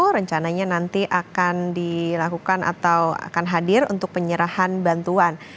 rencananya nanti akan dilakukan atau akan hadir untuk penyerahan bantuan